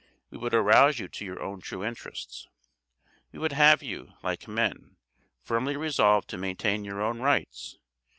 We would arouse you to your own true interests. We would have you, like men, firmly resolved to maintain your own rights.